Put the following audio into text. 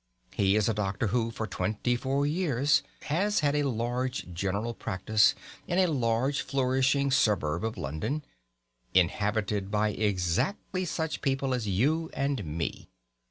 He is a doctor who for twenty four years has had a large general practice in a large flourishing suburb of London, inhabited by exactly such people as you and me.